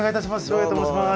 照英と申します。